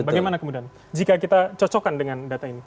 bagaimana kemudian jika kita cocokkan dengan data ini